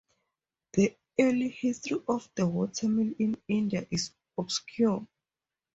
The early history of the watermill in India is obscure.